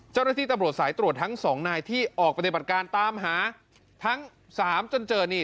เจ้าหน้าที่ตำรวจสายตรวจทั้งสองนายที่ออกปฏิบัติการตามหาทั้ง๓จนเจอนี่